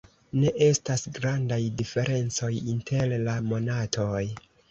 Ne estas grandaj diferencoj inter la monatoj.